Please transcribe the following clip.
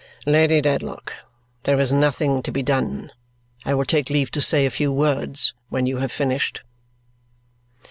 "Lady Dedlock, there is nothing to be done. I will take leave to say a few words when you have finished."